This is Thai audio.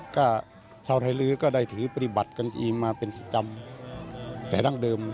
ก็ชาวไทยลื้อก็ได้ถือปฏิบัติกันเองมาเป็นจำแต่ดั้งเดิม